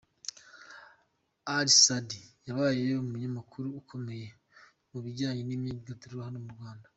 Ally Soudy yabaye umunyamakuru ukomeye mu bijyanye n'imyidagaduro hano mu Rwanda.